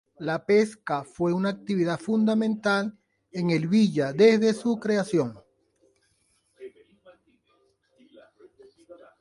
La pesca fue una actividad fundamental en el villa desde su creación.